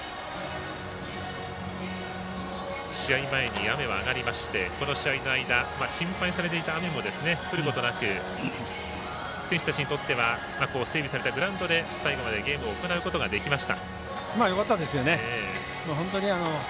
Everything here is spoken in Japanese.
試合前に雨は上がりましてこの試合の間心配されていた雨も降ることなく選手たちにとっては整備されたグラウンドで最後までゲームを行うことができました。